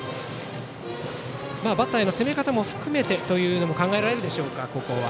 バッターへの攻め方も含めて考えられるでしょうか、ここは。